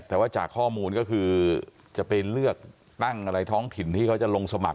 แต่ว่าจากข้อมูลก็คือจะไปเลือกตั้งอะไรท้องถิ่นที่เขาจะลงสมัคร